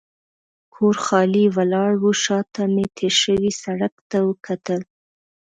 کور خالي ولاړ و، شا ته مې تېر شوي سړک ته وکتل.